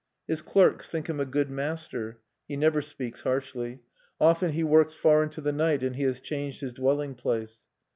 His clerks think him a good master; he never speaks harshly. Often he works far into the night; and he has changed his dwelling place.